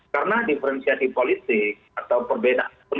karena diferensiasi politik atau perbedaan politik secara netral